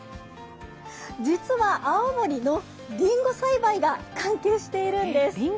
実は青森のりんご栽培が関係しているんです。